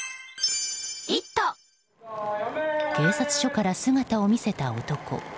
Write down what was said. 警察署から姿を見せた男。